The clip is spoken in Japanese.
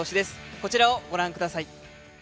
こちらをご覧ください。